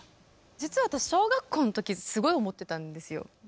実は私、小学校のときすごい思ってたんですよ。